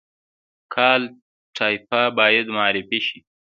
کالтура باید معرفي شي